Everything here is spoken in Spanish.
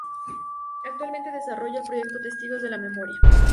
Actualmente desarrolla el proyecto "Testigos de la Memoria.